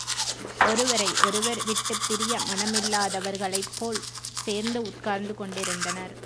ஒருவரை ஒருவர் விட்டுப் பிரிய மனமில்லாதவர்களைப் போல் சேர்ந்து உட்கார்ந்து கொண்டிருந்தனர்.